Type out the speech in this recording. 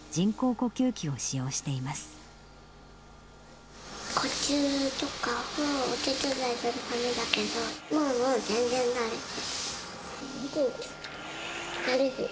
呼吸とかをお手伝いするためだけど、もう全然慣れた。